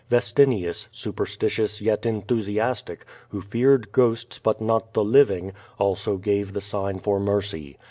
Vestinius, superstitious yet en thusiastic, who feared ghosts but not the living, also gave the sign for mercy.